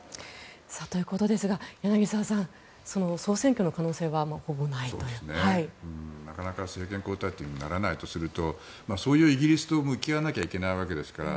ということですが柳澤さん総選挙の可能性はなかなか政権交代にはならないとするとそういうイギリスと向き合わないといけないわけですから